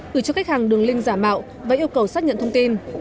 gửi cho khách hàng đường link giả mạo và yêu cầu xác nhận thông tin